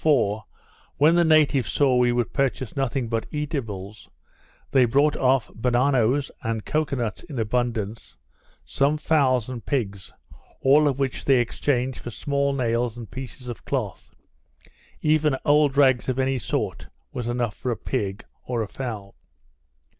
For, when the natives saw we would purchase nothing but eatables, they brought off bananoes and cocoa nuts in abundance, some fowls and pigs; all of which they exchanged for small nails and pieces of cloth: even old rags of any sort, was enough for a pig, or a fowl.